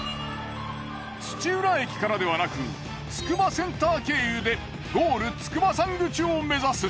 土浦駅からではなくつくばセンター経由でゴール筑波山口を目指す。